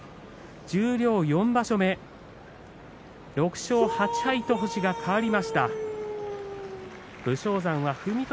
十両４場所目６勝８敗と星が変わりました。